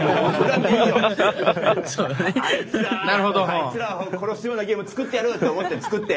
「あいつらを殺すようなゲーム作ってやる！」と思って作って！